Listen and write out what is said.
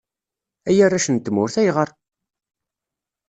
Ay arrac n tmurt, ayɣer?